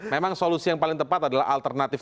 memang solusi yang paling tepat adalah alternatif